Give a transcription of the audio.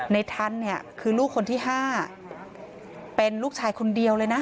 ทันเนี่ยคือลูกคนที่๕เป็นลูกชายคนเดียวเลยนะ